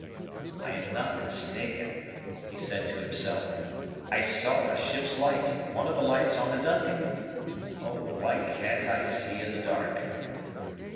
"I am not mistaken," he said to himself; "I saw a ship's light, one of the lights on the DUNCAN! Oh! why can't I see in the dark?"